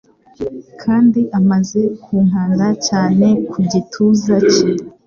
kandi amaze kunkanda cyane ku gituza cye